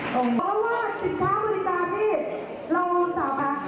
เพราะว่าสินค้าบริการที่เราสามารถ